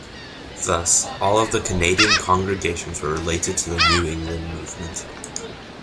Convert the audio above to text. Thus all of the Canadian congregations were related to the New England movement.